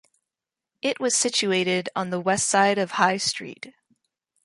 It was situated on the west side of High Street.